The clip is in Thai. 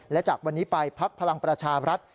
และจากวันนี้ไปพักพลังประชาบรัฐ